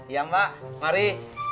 ya mbak mari